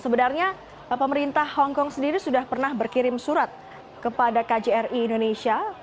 sebenarnya pemerintah hongkong sendiri sudah pernah berkirim surat kepada kjri indonesia